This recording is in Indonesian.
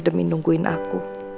demi nungguin aku